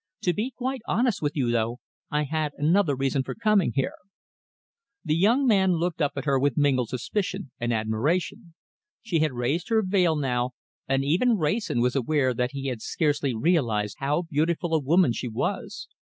To be quite honest with you, though, I had another reason for coming here." The young man looked at her with mingled suspicion and admiration. She had raised her veil now, and even Wrayson was aware that he had scarcely realized how beautiful a woman she was.